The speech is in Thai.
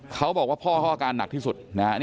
เขาบอกว่าพ่อเขาอาการหนักที่สุดนะฮะ